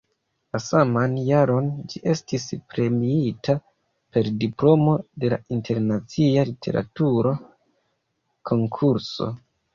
La saman jaron ĝi estis premiita per diplomo de la internacia literatura konkurso.